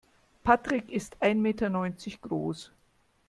Patrick ist ein Meter neunzig groß.